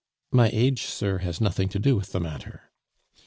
"My age, sir, has nothing to do with the matter."